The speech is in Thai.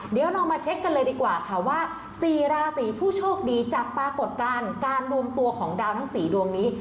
เดี๋ยวเรามาเช็คกันเลยดีกว่าค่ะว่า๔ราศีผู้โชคดีจากปรากฏการณ์การรวมตัวของดาวทั้ง๔ดวงนี้